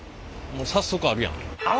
もう早速あるやん。